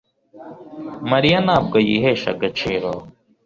Mariya ntabwo yihesha agaciro